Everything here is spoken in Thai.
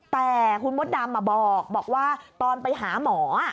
แต่คุณมดดำบอกว่าตอนไปหาหมอ